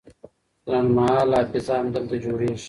لنډمهاله حافظه همدلته جوړیږي.